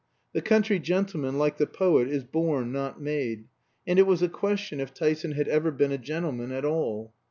The country gentleman, like the poet, is born, not made; and it was a question if Tyson had ever been a gentleman at all.